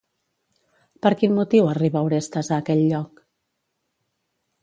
Per quin motiu arriba Orestes a aquell lloc?